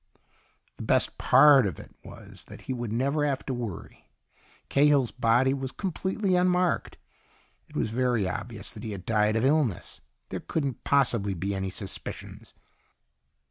The best part of it was that he would never have to worry. Cahill's body was completely unmarked. It was very obvious that he had died of illness. There couldn't possibly be any suspicions.